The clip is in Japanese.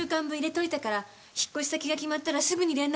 引っ越し先が決まったらすぐに連絡して。